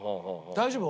大丈夫？